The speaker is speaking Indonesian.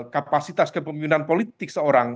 kapasitas kepemimpinan politik seorang